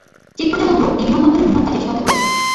Check প্রজাতন্ত্র এই বিমানবন্দরের উন্নয়ন কাজে সহায়তা করেছে।